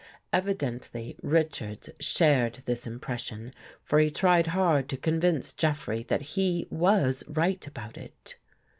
Evidently Richards shared this impression, for he tried hard to convince Jeffrey that he was right about it.